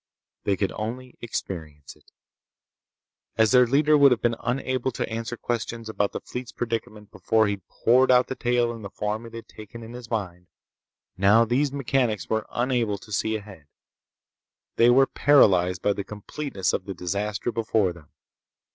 They could only experience it. As their leader would have been unable to answer questions about the fleet's predicament before he'd poured out the tale in the form it had taken in his mind, now these mechanics were unable to see ahead. They were paralyzed by the completeness of the disaster before them.